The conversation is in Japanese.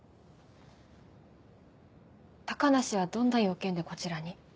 高梨はどんな用件でこちらに？